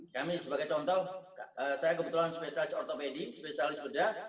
kami sebagai contoh saya kebetulan spesialis ortopedi spesialis bedah